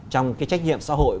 trong cái trách nhiệm xã hội